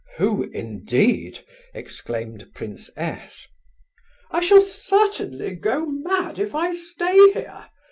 "Who indeed?" exclaimed Prince S. "I shall certainly go mad, if I stay here!"